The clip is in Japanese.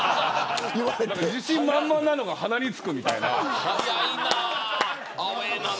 自信満々なのが鼻につくって。